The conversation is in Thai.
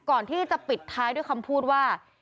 ก่อนที่จะปิดท้ายด้วยคำพูดว่า